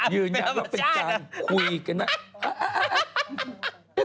มันเป็นธรรมชาติอ่ะ